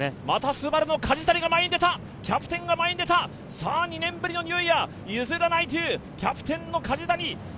またＳＵＢＡＲＵの梶谷が前に出たキャプテンが前に出た、２年ぶりのニューイヤー、譲らないというキャプテンの梶谷。